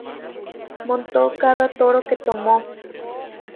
Montó cada toro que tomó.